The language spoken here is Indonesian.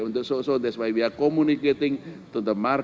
jadi itu sebabnya kita berkomunikasi dengan pasar